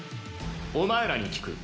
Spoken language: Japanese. お前らに聞く。